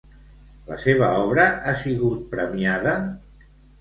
La seva obra ha sigut premiada?